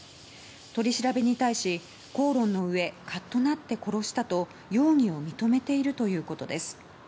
取り調べに対し、口論のうえカッとなって殺したと容疑を認めているということです。